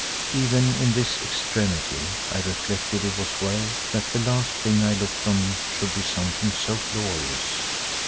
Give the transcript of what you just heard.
Even in this extremity I reflected it was well that the last thing I looked on should be something so glorious.